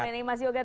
terima kasih banyak